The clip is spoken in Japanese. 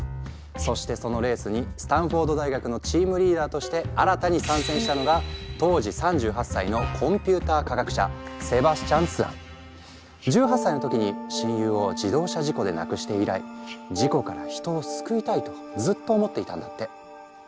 そしてそのレースにスタンフォード大学のチームリーダーとして新たに参戦したのが当時３８歳の１８歳の時に親友を自動車事故で亡くして以来事故から人を救いたいとずっと思っていたんだって。